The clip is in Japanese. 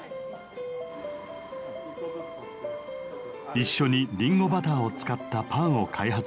一緒にりんごバターを使ったパンを開発しています。